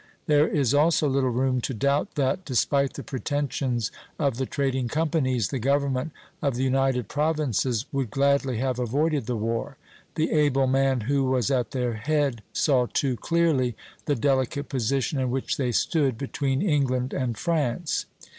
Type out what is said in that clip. There is also little room to doubt that, despite the pretensions of the trading companies, the government of the United Provinces would gladly have avoided the war; the able man who was at their head saw too clearly the delicate position in which they stood between England and France.